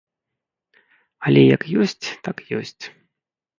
Але як ёсць, так ёсць.